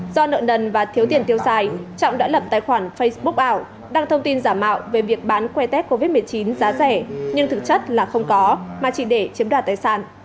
do nợ nần và thiếu tiền tiêu xài trọng đã lập tài khoản facebook ảo đăng thông tin giả mạo về việc bán que tét covid một mươi chín giá rẻ nhưng thực chất là không có mà chỉ để chiếm đoạt tài sản